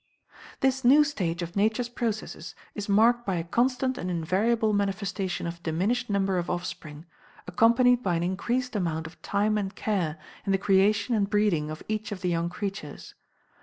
This new stage of Nature's processes is marked by a constant and invariable manifestation of diminished number of offspring, accompanied by an increased amount of time and care in the creation and breeding of each of the young creatures.